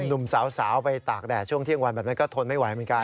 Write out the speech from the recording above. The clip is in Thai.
หนุ่มสาวไปตากแดดช่วงเที่ยงวันแบบนั้นก็ทนไม่ไหวเหมือนกัน